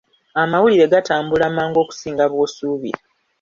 Amawulire gatambula mangu okusinga bw'osuubira.